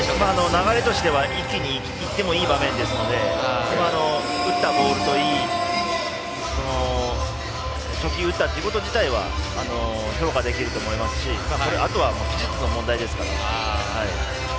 流れとしては一気にいってもいい場面ですので初球を打ったということ自体は評価できると思いますしあとは技術の問題ですからね。